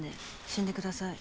死んでください。